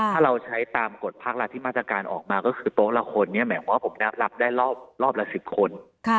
ถ้าเราใช้ตามกฎภาครัฐที่มาตรการออกมาก็คือโต๊ะละคนนี้หมายความว่าผมรับได้รอบละ๑๐คน